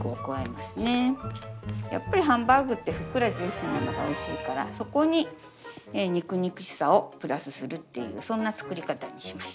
やっぱりハンバーグってふっくらジューシーなのがおいしいからそこに肉肉しさをプラスするっていうそんな作り方にしました。